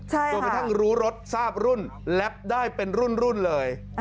จนกระทั่งรู้รถทราบรุ่นแรปได้เป็นรุ่นเลย